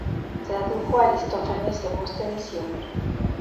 Tradujo a Aristófanes, Demóstenes y Homero.